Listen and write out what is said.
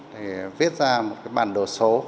để viết ra một bản đồ số